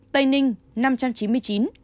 tây ninh năm trăm chín mươi chín